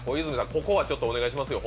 ここはちょっとお願いしますよ